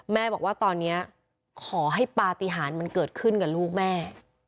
แม่บอกว่าตอนนี้ขอให้ปฏิหารมันเกิดขึ้นกับลูกแม่